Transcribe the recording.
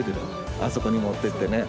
あそこに持って行ってね。